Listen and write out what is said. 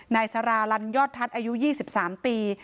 นายสาราลันยอดทัศน์อายุ๒๓ปี